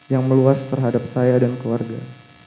yang meluas terhadap saya dan keluarga